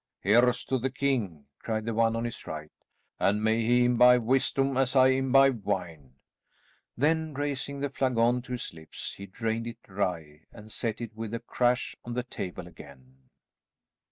"Here's to the king!" cried the one on his right, "and may he imbibe wisdom as I imbibe wine." Then raising the flagon to his lips he drained it dry and set it with a crash on the table again.